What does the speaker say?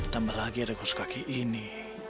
tambah lagi ada kaos kaki ini